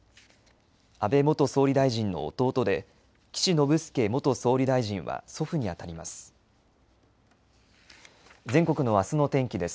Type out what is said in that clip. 安倍元総理大臣の弟で岸信介元総理大臣は祖父にあたります。